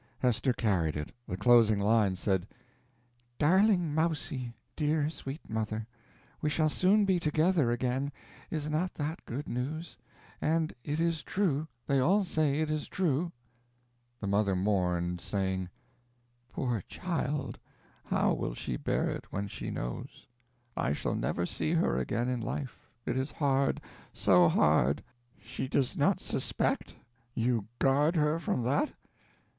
Hester carried it. The closing line said: "Darling Mousie, dear sweet mother, we shall soon be together again. Is not that good news? And it is true; they all say it is true." The mother mourned, saying: "Poor child, how will she bear it when she knows? I shall never see her again in life. It is hard, so hard. She does not suspect? You guard her from that?"